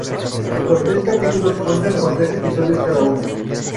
Los tres capítulos cuentan con tres episodios cada uno.